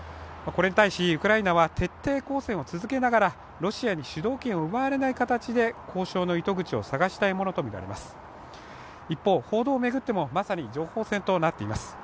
これに対しウクライナは徹底抗戦を続けながら、ロシアに主導権を奪われない形で交渉の糸口を探したいものとみられています。